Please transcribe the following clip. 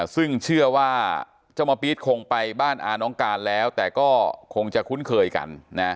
ซึ่งเชื่อว่าเจ้ามะปี๊ดคงไปบ้านอาน้องการแล้วแต่ก็คงจะคุ้นเคยกัน